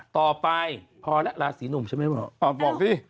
ต่อไปพอแล้วร้านสีหนุ่มใช่ไหมบอก